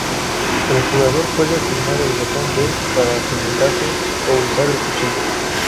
El jugador puede asignar el botón B para "puñetazo" o usar el "cuchillo".